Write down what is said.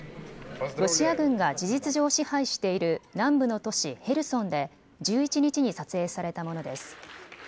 ロシア軍が事実上、支配している南部の都市へルソンで１１日に撮影されたものです。